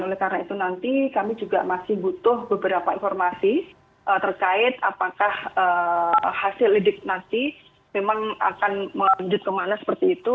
oleh karena itu nanti kami juga masih butuh beberapa informasi terkait apakah hasil lidik nanti memang akan melanjutkan kemana seperti itu